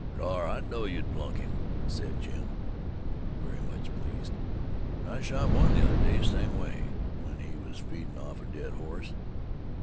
"Shore I knowed you'd plunk him," said Jim very much pleased. "I shot one the other day same way, when he was feedin' off a dead horse.